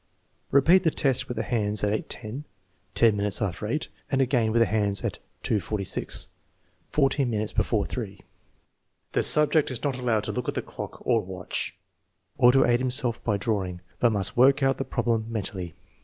Repeat the test with the hands at 8.10 (10 minutes after 8), and again with the hands at .46 (14 minutes before 3). The subject is not allowed to look at a clock or watch, or to aid himself by drawing, but must work out the prob lem mentally.